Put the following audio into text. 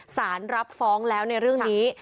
สารรับฟ้องแล้วในเรื่องนี้